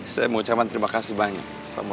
saya mengucapkan terima kasih banyak